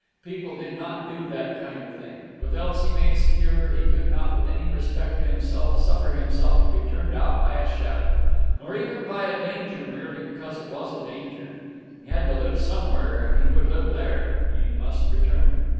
People did not do that kind of thing. With Elsie made secure, he could not with any respect to himself suffer himself to be turned out by a shadow, nor even by a danger merely because it was a danger. He had to live somewhere, and he would live there. He must return.